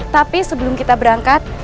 tapi sebelum kita berangkat